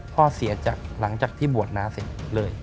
พ่อเสียจากหลังจากที่บวชน้าเสร็จเลย